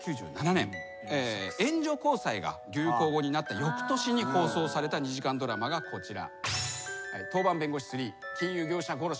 援助交際が流行語になったよくとしに放送された２時間ドラマがこちら。